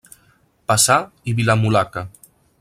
Paçà i Vilamulaca.